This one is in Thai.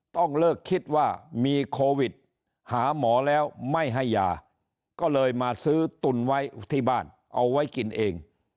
ต้องเลิกคิดว่ามีโควิดหาหมอแล้วไม่ให้ยาก็เลยมาซื้อตุนไว้ที่บ้านเอาไว้กินเอง